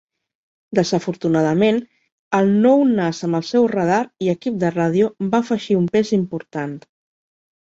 Desafortunadament, el nou nas amb el seu radar i equip de ràdio va afegir un pes important.